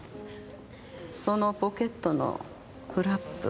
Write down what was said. そのポケットのフラップ。